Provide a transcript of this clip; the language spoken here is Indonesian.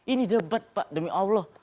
ini debat pak demi allah